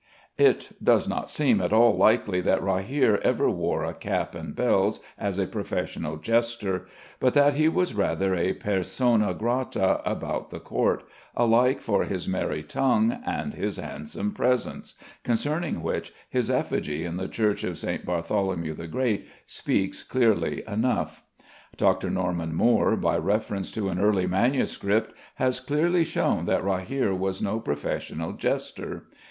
It does not seem at all likely that Rahere ever wore a cap and bells as a professional jester; but that he was rather a persona grata about the court, alike for his merry tongue and his handsome presence, concerning which his effigy in the church of St. Bartholomew the Great speaks clearly enough. Dr. Norman Moore, by reference to an early manuscript, has clearly shown that Rahere was no professional jester.